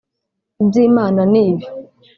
iby’Imana ni ibi